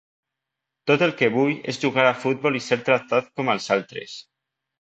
Tot el que vull és jugar a futbol i ser tractat com als altres.